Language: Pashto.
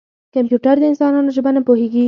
کمپیوټر د انسانانو ژبه نه پوهېږي.